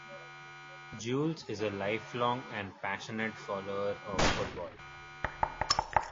Jules is a lifelong and passionate follower of football.